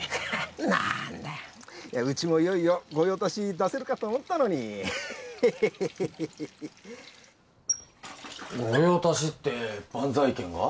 何だうちもいよいよ御用達出せるかと思ったのに御用達ってバンザイ軒が？